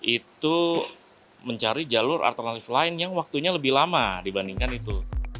itu mencari jalur alternatif lain yang waktunya lebih lama dibandingkan itu